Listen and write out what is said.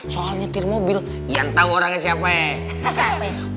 soal nyetir mobil iyan tau orangnya siapa eh